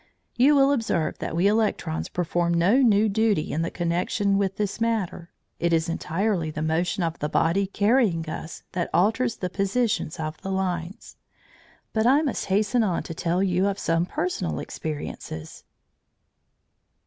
You will observe that we electrons perform no new duty in connection with this matter; it is entirely the motion of the body carrying us that alters the positions of the lines. But I must hasten on to tell you of some personal experiences.